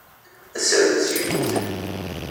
Aserdas yemmut.